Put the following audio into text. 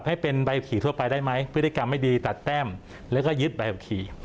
ให้เป็นใบขับขี่ทั่วไปได้ไหมพฤติกรรมไม่ดีตัดแต้มแล้วก็ยึดใบขับขี่